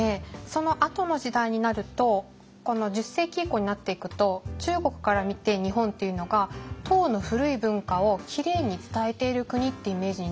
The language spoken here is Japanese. そのあとの時代になるとこの１０世紀以降になっていくと中国から見て日本っていうのが唐の古い文化をきれいに伝えている国ってイメージになっていくんですよ。